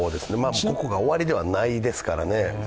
ここが終わりではないですからね。